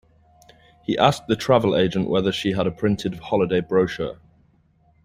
He asked the travel agent whether she had a printed holiday brochure